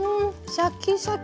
シャキシャキ！